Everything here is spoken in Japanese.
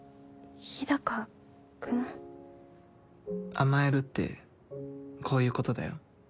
「甘える」ってこういうことだよ。